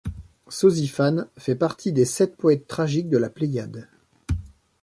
Sosiphane fait partie des sept poètes tragiques de la Pléiade.